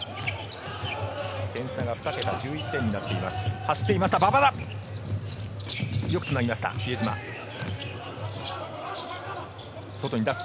点差が１１点になっています。